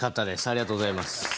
ありがとうございます。